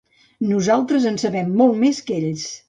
Nosaltres en sabem molt més que ells.